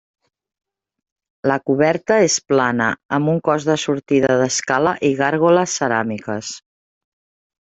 La coberta és plana amb un cos de sortida d'escala i gàrgoles ceràmiques.